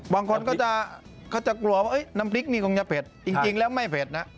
บางคนก็จะกลัวว่าน้ำพริกนี่คงจะเผ็ดจริงแล้วไม่เผ็ดนะ